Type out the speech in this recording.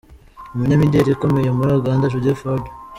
Umunyamideri ukomeye muri Uganda Judith Heard.